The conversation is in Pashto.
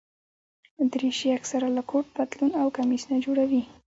دریشي اکثره له کوټ، پتلون او کمیس نه جوړه وي.